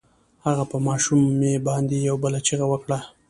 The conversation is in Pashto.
هغه په ماشومې باندې يوه بله چيغه وکړه.